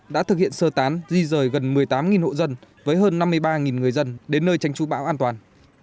đã thực hiện sơ tán di rời gần một mươi tám hộ dân với hơn năm mươi ba người dân đến nơi tranh trú bão an toàn